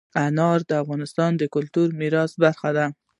انار د افغانستان د کلتوري میراث برخه ده.